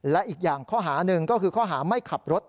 และอีกอย่างข้อหาหนึ่งก็คือข้อหาไม่ขับรถ